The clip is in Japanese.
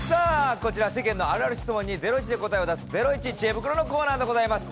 こちら、世間のあるある質問に『ゼロイチ』で答えを出す、ゼロイチ知恵袋のコーナーです。